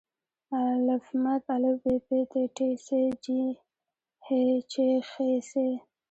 آا ب پ ت ټ ث ج ح چ خ څ